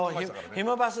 「ひむバス！」